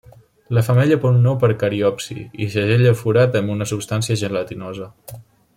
La femella pon un ou per cariopsi, i segella el forat amb una substància gelatinosa.